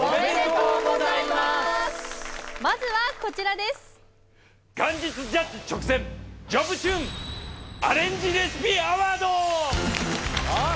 まずはこちらですよっ！